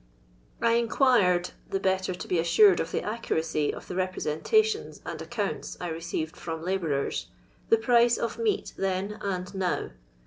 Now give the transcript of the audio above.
I inquired, the better to be assured of the accuracy of the representations and accounts I received from labourers, the price of meat then and now.